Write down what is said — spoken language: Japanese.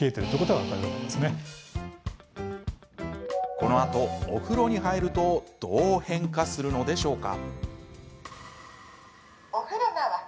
このあと、お風呂に入るとどう変化するのでしょうか。